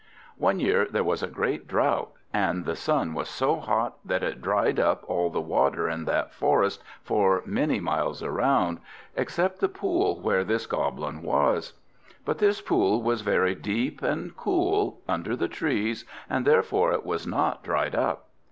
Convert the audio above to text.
One year there was a great drought, and the sun was so hot that it dried up all the water in that forest for many miles round, except the pool where this Goblin was; but this pool was very deep and cool, under the trees, and therefore it was not dried up.